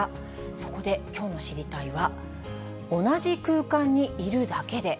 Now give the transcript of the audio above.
そこできょうの知りたいッ！は、同じ空間にいるだけで。